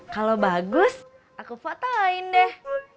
kalau bagus aku fatahin deh